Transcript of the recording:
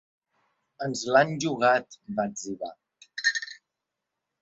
Ens l’han jugat!, va etzibar.